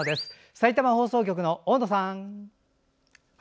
さいたま放送局の大野さん。